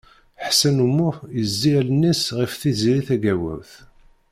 Ḥsen U Muḥ yezzi allen-is ɣef Tiziri Tagawawt.